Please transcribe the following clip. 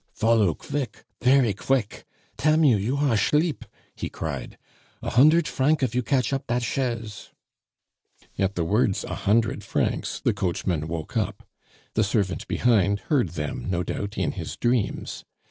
"Follow qvick, fery qvick. Tam you, you are ashleep!" he cried. "A hundert franc if you catch up dat chaise." At the words "A hundred francs," the coachman woke up. The servant behind heard them, no doubt, in his dreams.